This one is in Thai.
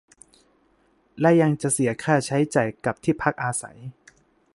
และยังจะเสียค่าใช้จ่ายกับที่พักอาศัย